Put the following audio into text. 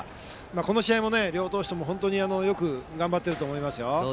この試合も両投手ともよく頑張っていると思います。